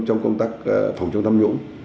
trong công tác phòng chống tham nhũng